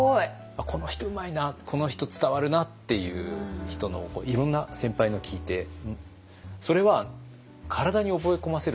あっこの人うまいなこの人伝わるなっていう人のいろんな先輩の聴いてそれは体に覚え込ませるっていうんですかね。